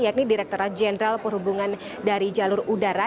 yakni direkturat jenderal perhubungan dari jalur udara